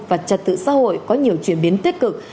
và trật tự xã hội có nhiều chuyển biến tích cực